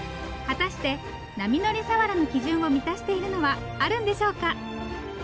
果たして波乗り鰆の基準を満たしているのはあるんでしょうか。